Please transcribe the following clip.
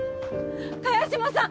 萱島さん！